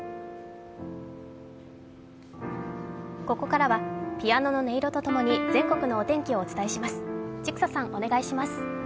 ここからはピアノの音色と共に全国のお天気をお伝えします。